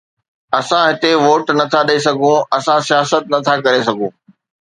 اسان هتي ووٽ نٿا ڏئي سگهون، اسان سياست نٿا ڪري سگهون